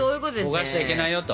焦がしちゃいけないよと。